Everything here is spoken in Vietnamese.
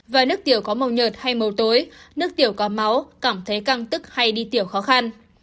và nước tiểu có màu nhợt hay màu tối nước tiểu có máu cảm thấy căng tức hay đi tiểu khó khăn